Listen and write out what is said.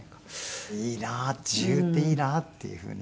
いいなー自由っていいなっていうふうに。